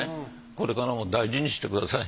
これからも大事にしてください。